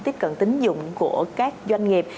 tiếp cận tính dụng của các doanh nghiệp